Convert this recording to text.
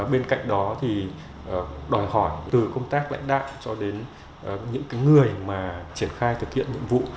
bên cạnh đó thì đòi hỏi từ công tác lãnh đạo cho đến những người mà triển khai thực hiện nhiệm vụ